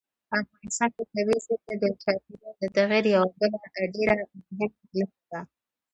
افغانستان کې طبیعي زیرمې د چاپېریال د تغیر یوه بله ډېره مهمه نښه ده.